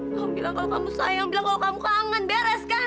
kamu bilang kalau kamu saya yang bilang kalau kamu kangen beres kan